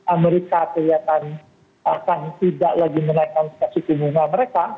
amerika kelihatan akan tidak lagi menaikkan spesifikasi keunggulan mereka